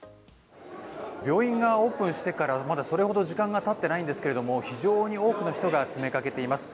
病院がオープンしてからまだそれほど時間がたってないんですが非常に多くの人が詰めかけています。